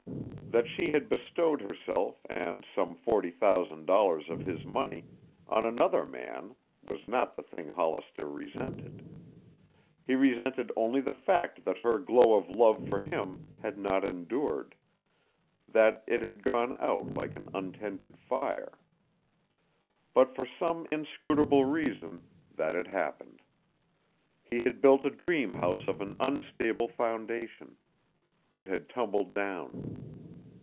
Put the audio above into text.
That she had bestowed herself and some forty thousand dollars of his money on another man was not the thing Hollister resented. He resented only the fact that her glow of love for him had not endured, that it had gone out like an untended fire. But for some inscrutable reason that had happened. He had built a dream house on an unstable foundation. It had tumbled down.